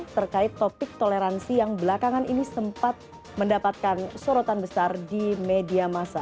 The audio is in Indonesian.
terkait topik toleransi yang belakangan ini sempat mendapatkan sorotan besar di media masa